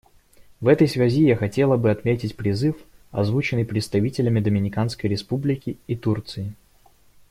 В этой связи я хотела бы отметить призыв, озвученный представителями Доминиканской Республики и Турции.